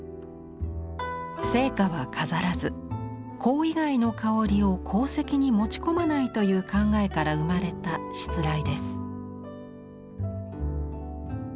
生花は飾らず香以外の香りを香席に持ち込まないという考えから生まれた室礼です。